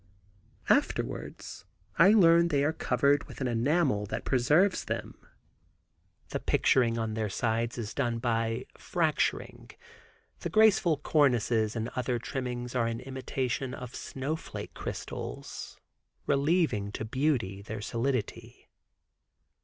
Afterwards I learn they are covered with an enamel that preserves them. The picturing on their sides is done by fracturing; the graceful cornices and other trimmings are in imitation of snowflake crystals, relieving to beauty their solidity.